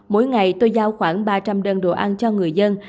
mỗi ngày tôi giao khoảng ba trăm linh đơn đồ ăn cho người dân